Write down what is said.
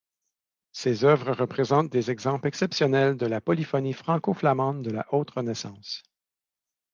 Ses œuvres représentent des exemples exceptionnels de la polyphonie franco-flamande de la Haute Renaissance.